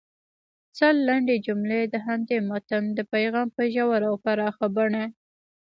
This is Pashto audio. سل لنډې جملې د همدې متن د پیغام په ژوره او پراخه بڼه